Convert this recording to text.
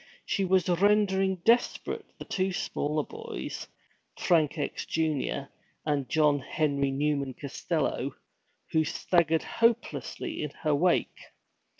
She was rendering desperate the two smaller boys, Frank X., Jr., and John Henry Newman Costello, who staggered hopelessly in her wake.